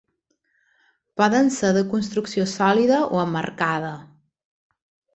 Poden ser de construcció sòlida o emmarcada.